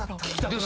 でも。